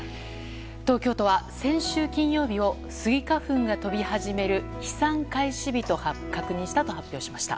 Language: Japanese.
東京都は先週金曜日をスギ花粉が飛び始める飛散開始日と確認したと発表しました。